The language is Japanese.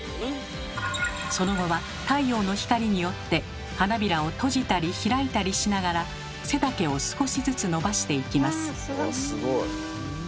その後は太陽の光によって花びらを閉じたり開いたりしながら背丈を少しずつ伸ばしていきます。